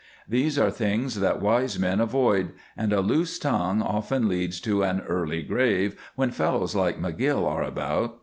These are things that wise men avoid, and a loose tongue often leads to an early grave when fellows like McGill are about.